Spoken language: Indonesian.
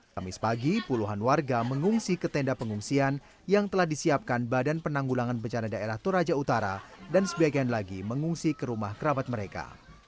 kamis pagi puluhan warga mengungsi ke tenda pengungsian yang telah disiapkan badan penanggulangan bencana daerah toraja utara dan sebagian lagi mengungsi ke rumah kerabat mereka